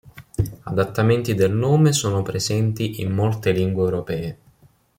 Adattamenti del nome sono presenti in molte lingue europee.